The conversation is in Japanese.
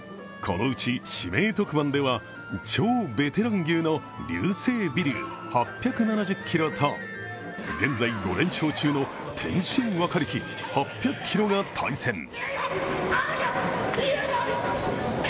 このうち、指名特番では超ベテラン牛の龍星美龍８７０ｋｇと現在５連勝中の天清若力８００ｋｇが対戦。